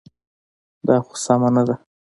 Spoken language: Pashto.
دا خو سمه نه ده.